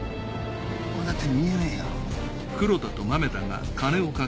俺だって見えねえよ。